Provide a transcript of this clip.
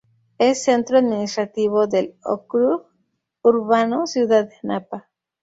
Es centro administrativo del ókrug urbano Ciudad de Anapa.